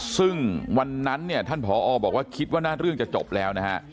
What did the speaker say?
ซึ่งวันนั้นเนี่ยท่านผอบอกว่าคิดว่าเรื่องจะจบแล้วนะฮะ